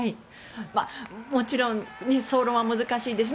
もちろん総論は難しいですね。